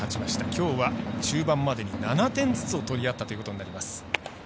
きょうは中盤までに７点ずつを取り合ったということになっています。